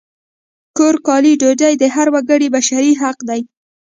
کور، کالي، ډوډۍ د هر وګړي بشري حق دی!